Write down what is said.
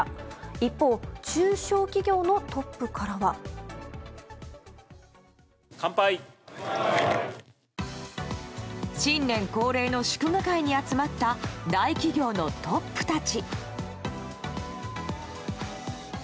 一方、中小企業のトップからは。新年恒例の祝賀会に集まった大企業のトップたち。